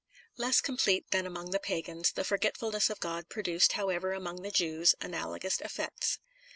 Less complete than among the pagans, the forgetfulness of God, produced, however, among the Jews, analogous effects.